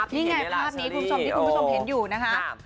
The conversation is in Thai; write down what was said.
นี่ไงภาพนี้คุณผู้ชมเห็นอยู่นะครับ